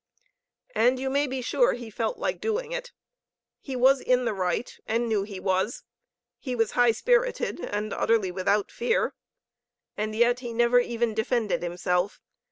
And you may be sure he felt like doing it. He was in the right, and knew he was. He was high spirited and utterly without fear. And yet he never even defended himself.